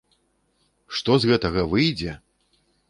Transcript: Што з гэтага выйдзе!